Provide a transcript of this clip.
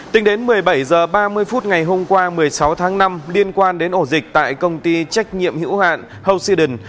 tính đến một mươi bảy h ba mươi phút ngày hôm qua một mươi sáu tháng năm liên quan đến ổ dịch tại công ty trách nhiệm hữu hạn hoshiden